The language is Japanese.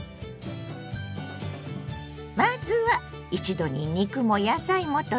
まずは一度に肉も野菜もとれる！